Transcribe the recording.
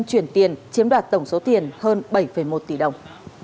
chuyển tiền chiếm đoạt tổng số tiền hơn bảy một tỷ đồng